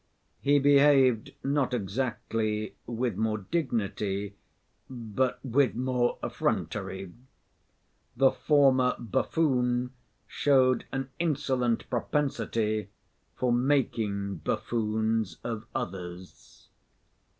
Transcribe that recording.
He behaved not exactly with more dignity but with more effrontery. The former buffoon showed an insolent propensity for making buffoons of others.